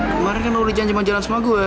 kemarin kan lo janjikan jalan sama gue